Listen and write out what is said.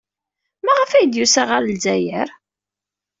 Maɣef ay d-yusa ɣer Lezzayer?